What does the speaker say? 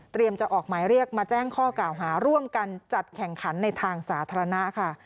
จะออกหมายเรียกมาแจ้งข้อกล่าวหาร่วมกันจัดแข่งขันในทางสาธารณะค่ะ